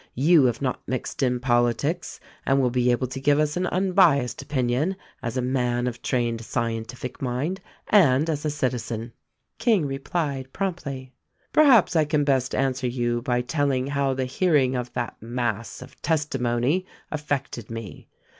You have not mixed in politics and will be able to give us an unbiased opinion as a man of trained scien tific mind, and as a citizen." King replied promptly, "Perhaps I can best answer you by telling how the hearing of that mass of testimony affected me.